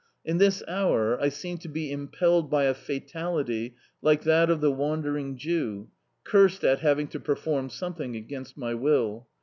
In this hour I seemed to be impelled by a fatality like that of the wandering Jew, cursed at having to perform something against my will.